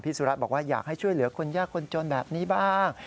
สุรัตน์บอกว่าอยากให้ช่วยเหลือคนยากคนจนแบบนี้บ้าง